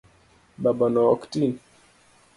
Babano ok ti